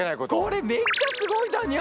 これめっちゃすごいだにゃ！